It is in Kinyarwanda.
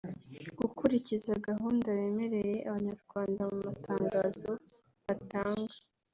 gukurikiza gahunda bemereye abanyarwanda mu matangazo batanga